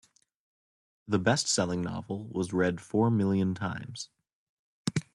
The bestselling novel was read four million times.